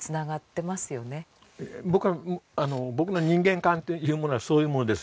僕は僕の人間観っていうものはそういうものです。